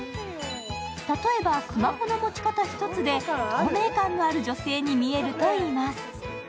例えばスマホの持ち方一つで透明感のある女性に見えるといいます。